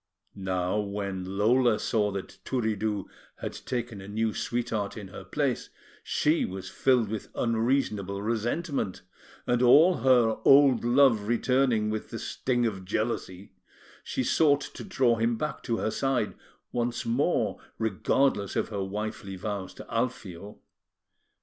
Now, when Lola saw that Turiddu had taken a new sweetheart in her place, she was filled with unreasonable resentment; and all her old love returning with the sting of jealousy, she sought to draw him back to her side once more, regardless of her wifely vows to Alfio.